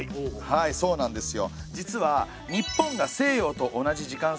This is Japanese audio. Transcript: はいそうなんですよ。